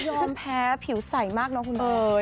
ยอมแพ้ผิวใสมากเนาะคุณเอ๋ย